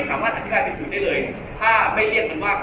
พศแม้แต่ในภาคการ